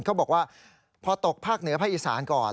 เขาบอกว่าพอตกภาคเหนือภาคอีสานก่อน